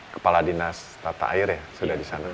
kepala dinas tata air ya sudah di sana